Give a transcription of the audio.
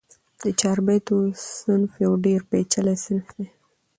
د چاربیتو صنف یو ډېر پېچلی صنف دئ.